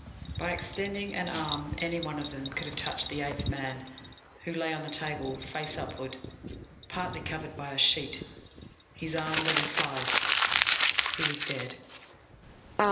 By extending an arm any one of them could have touched the eighth man, who lay on the table, face upward, partly covered by a sheet, his arms at his sides. He was dead.